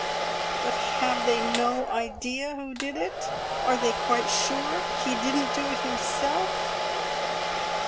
"But have they no idea who did it? Are they quite sure he didn't do it himself?"